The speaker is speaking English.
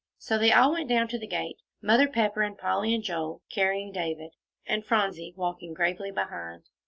So they all went down to the gate, Mother Pepper and Polly and Joel carrying David, and Phronsie walking gravely behind.